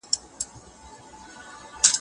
د څيړني په برخه کي د مشر شتون اړین دی.